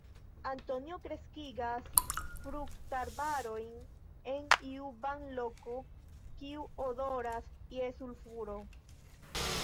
Antonio kreskigas fruktarbojn en iu banloko kiu odoras je sulfuro.